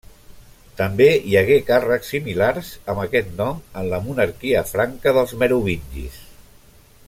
També hi hagué càrrecs similars amb aquest nom en la monarquia franca dels merovingis.